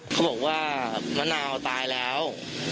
เขาบอกว่ามะนาวตายแล้ว